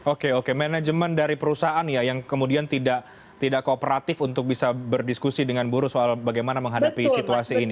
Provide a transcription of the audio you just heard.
oke oke manajemen dari perusahaan ya yang kemudian tidak kooperatif untuk bisa berdiskusi dengan buruh soal bagaimana menghadapi situasi ini